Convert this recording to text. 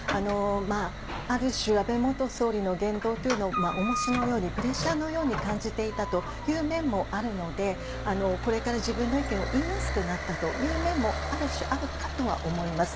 ある種、安倍元総理の言動というのは、おもしのように、プレッシャーのように感じていたという面もあるので、これから自分の意見を言いやすくなったという面もある種、あるかとは思います。